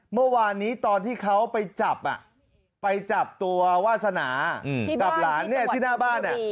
เมื่อวานนี้ตอนที่เขาไปจับไปจับตัววาสนากับหลานเนี่ยที่หน้าบ้าน